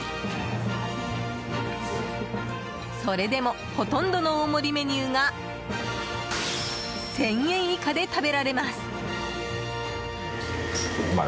それでもほとんどの大盛りメニューが１０００円以下で食べられます。